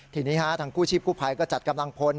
ทีนี้ทางกู้ชีพกู้ภัยก็จัดกำลังพล